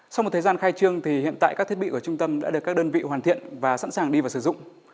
sau một thời gian khai trương thì hiện tại các thiết bị của trung tâm đã được các đơn vị hoàn thiện và sẵn sàng đi vào sử dụng